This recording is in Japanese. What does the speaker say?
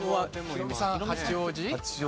ヒロミさん八王子？